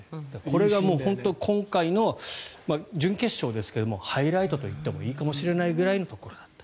これが本当に今回の準決勝ですけどハイライトと言ってもいいかもしれないぐらいのところだった。